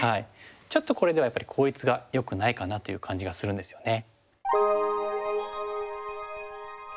ちょっとこれではやっぱり効率がよくないかなという感じがするんですよね。